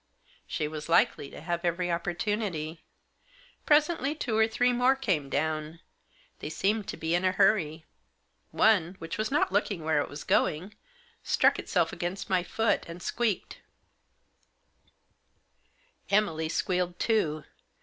She was likely to have every opportunity. Presently two or three more came down. They seemed be in a hurry. One, which was not looking where it was going, struck itself against my foot, and squeaked. Digitized by ENTEBING INTO POSSESSION. 63 Emily squealed too.